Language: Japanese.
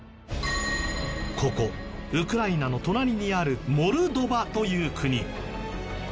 ここウクライナの隣にあるモルドバという国。